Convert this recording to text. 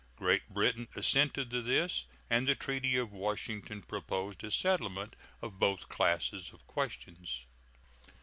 Great Britain assented to this, and the treaty of Washington proposed a settlement of both classes of questions.